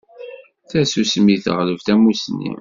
Tasusmi teɣleb tamusni.